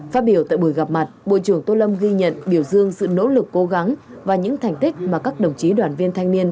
phát biểu tại buổi gặp mặt bộ trưởng tô lâm ghi nhận biểu dương sự nỗ lực cố gắng và những thành tích mà các đồng chí đoàn viên thanh niên